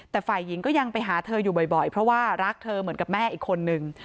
แต่ฝ่ายหญิงก็ยังไปหาเธออยู่บ่อยเพราะว่ารักเธอเหมือนกับแม่อีกคนนึง